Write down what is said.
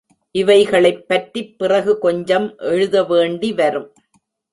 இவைகளைப் பற்றிப் பிறகு கொஞ்சம் எழுத வேண்டி வரும்.